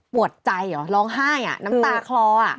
ปวดใจเหรอร้องไห้อ่ะน้ำตาคลอ